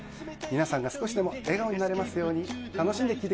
「皆さんが少しでも笑顔になれますように」「楽しんで聴いてくださいね。